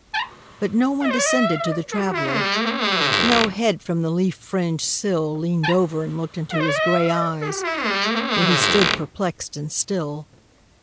But no one descended to the Traveler; No head from the leaf fringed sill Leaned over and looked into his gray eyes, Where he stood perplexed and still.